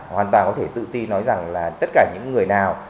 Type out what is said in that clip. hoàn toàn có thể tự ti nói rằng là tất cả những người nào